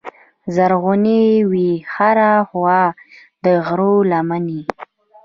زرغونې وې هره خوا د غرو لمنې